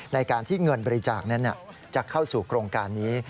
ในการที่เงินบริจาคนั้นจะเข้าสู่โครงการนี้